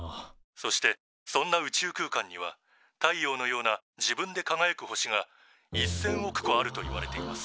「そしてそんな宇宙空間には太陽のような自分でかがやく星が１，０００億個あるといわれています」。